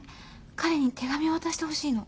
彼に手紙を渡してほしいの。